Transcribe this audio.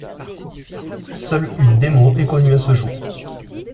Seule une démo est connue à ce jour.